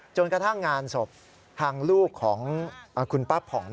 กระทั่งงานศพทางลูกของคุณป้าผ่อง